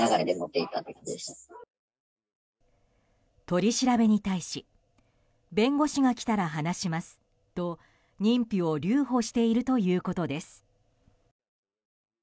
取り調べに対し弁護士が来たら話しますと認否を留保しているということです。